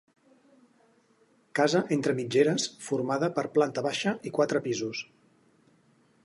Casa entre mitgeres formada per planta baixa i quatre pisos.